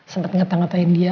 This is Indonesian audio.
sempet ngetah ngetahin dia